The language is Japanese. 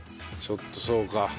ちょっとそうか。